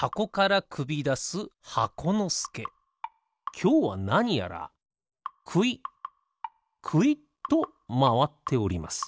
きょうはなにやらくいっくいっとまわっております。